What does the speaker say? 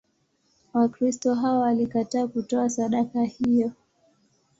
Wakristo hao walikataa kutoa sadaka hiyo.